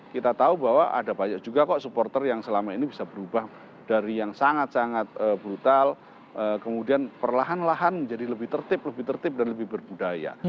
kita tahu bahwa ada banyak juga kok supporter yang selama ini bisa berubah dari yang sangat sangat brutal kemudian perlahan lahan menjadi lebih tertib lebih tertib dan lebih berbudaya